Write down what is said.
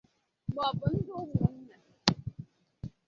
maọbụ ndụ ụmụnna